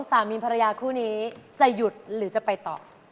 สามีภรรยาคู่นี้จะหยุดหรือจะไปต่อ